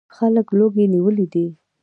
خلک لوږې نیولي دي.